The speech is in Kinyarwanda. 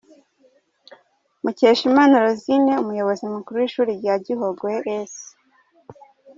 Mukeshimana Rosine umuyobozi mukuru w’ishuri rya Gihogwe S.